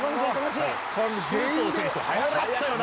周東選手速かったよな